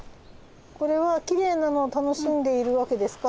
これはきれいなのを楽しんでいるわけですか？